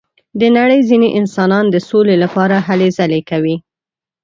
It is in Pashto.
د نړۍ ځینې انسانان د سولې لپاره هلې ځلې کوي.